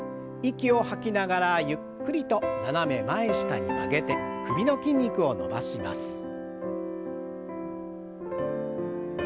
息を吐きながらゆっくりと斜め前下に曲げて首の筋肉を伸ばします。